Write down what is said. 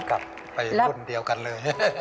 กลับไปรุ่นเดียวกันเลย